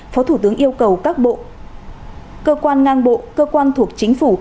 phó thủ tướng yêu cầu các bộ cơ quan ngang bộ cơ quan thuộc chính phủ